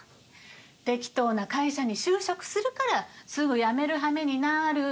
適当な会社に就職するからすぐ辞めるはめになるの。